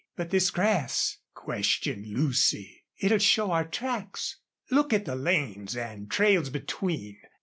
"But this grass?" questioned Lucy. "It'll show our tracks." "Look at the lanes an' trails between.